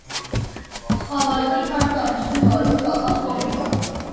Խավարտը՝ թարմ կամ թթու վարունգ, կաղամբ, պոմիդոր։